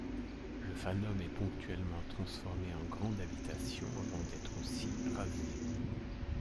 Le fanum est ponctuellement transformé en grande habitation avant d'être aussi rasé.